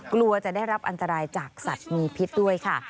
กลัวจะได้รับอันตรายจากสัตว์มีพิษด้วยค่ะ